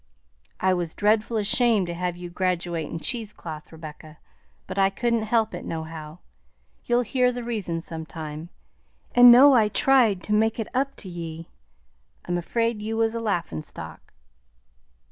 "I was dreadful ashamed to have you graduate in cheesecloth, Rebecca, but I couldn't help it no how. You'll hear the reason some time, and know I tried to make it up to ye. I'm afraid you was a laughin' stock!"